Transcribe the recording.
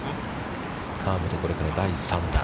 河本、これから第３打。